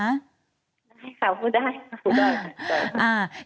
ได้ค่ะพูดได้